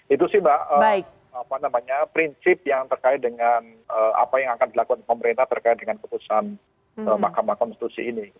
itu sih mbak prinsip yang terkait dengan apa yang akan dilakukan pemerintah terkait dengan keputusan mahkamah konstitusi ini